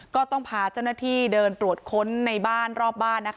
ก็ต้องพาเจ้าหน้าที่เดินตรวจค้นในบ้านรอบบ้าน